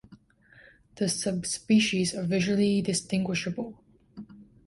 The sub-species are visually distinguishable.